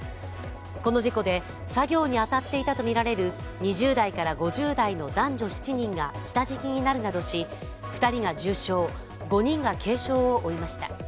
この事故で作業に当たっていたとみられる２０代から５０代の男女７人が下敷きになるなどし２人が重傷、５人が軽傷を負いました。